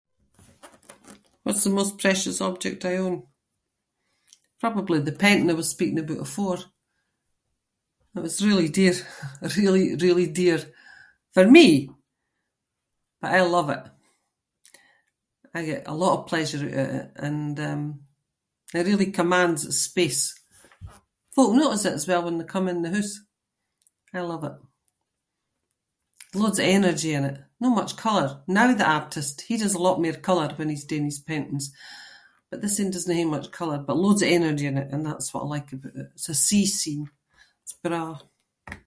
What’s the most precious object I own? Probably the painting I was speaking aboot afore. It was really dear really, really dear for me, but I love it. I get a lot of pleasure oot of it and, um, it really commands its space. Folk notice it as well when they come in the hoose. I love it. Loads of energy in it. No much colour. Now the artist- he does a lot mair colour when he’s doing his paintings but this ain doesnae hae much colour but loads of energy in it and that’s what I like aboot it. It’s a sea scene. It’s braw.